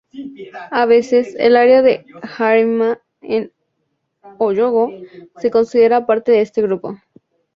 A veces, el área de Harima en Hyōgo se considera parte de este grupo.